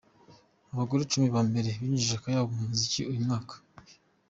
Abagore icumi ba mbere binjije akayabo mu muziki uyu mwaka:.